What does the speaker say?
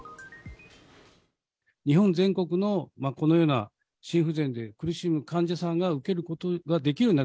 日本全国の、このような心不全で苦しむ患者さんが受けることができるようにな